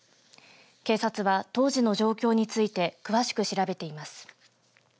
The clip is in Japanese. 警察は当時の状況について詳しく調べています。